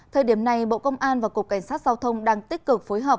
thời điểm này bộ công an và cục cảnh sát giao thông đang tích cực phối hợp